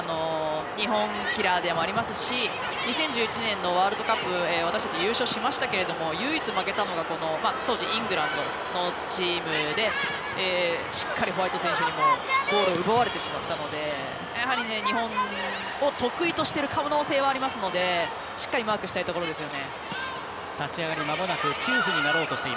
日本キラーでもありますし２０１１年のワールドカップ私たち優勝しましたけれども唯一負けたのが当時イングランドのチームでしっかりホワイト選手にもゴール、奪われてしまったのでやはり、日本を得意としている可能性はありますのでしっかりマークしたいところですよね。